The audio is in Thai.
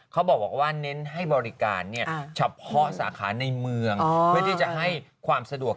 เขาบอกว่าเน้นให้บริการเฉพาะสาขาในเมืองเพื่อที่จะให้ความสะดวก